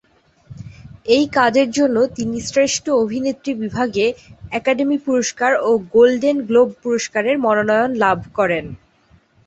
এই কাজের জন্য তিনি শ্রেষ্ঠ অভিনেত্রী বিভাগে একাডেমি পুরস্কার ও গোল্ডেন গ্লোব পুরস্কারের মনোনয়ন লাভ করেন।